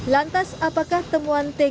lantas apakah temuan temuan